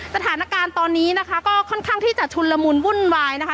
สถานการณ์ตอนนี้นะคะก็ค่อนข้างที่จะชุนละมุนวุ่นวายนะคะ